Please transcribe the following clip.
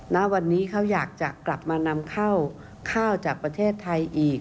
ณวันนี้เขาอยากจะกลับมานำข้าวข้าวจากประเทศไทยอีก